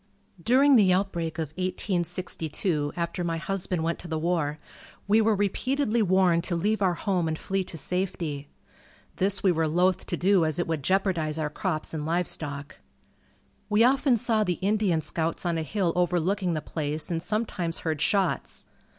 During the outbreak of 1862, after my husband went to the war, we were repeatedly warned to leave our home and flee to safety. This we were loath to do as it would jeopardize our crops and livestock. We often saw the Indian scouts on a hill overlooking the place and sometimes heard shots.